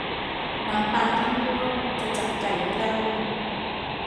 หมาป่าที่ง่วงจะจับไก่ไม่ได้